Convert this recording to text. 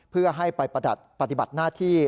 เพื่อให้ไปประดัดปฏิบัติหน้าที่